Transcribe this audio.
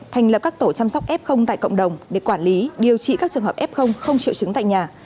thành lập các tổ chăm sóc f tại cộng đồng để quản lý điều trị các trường hợp f không triệu chứng tại nhà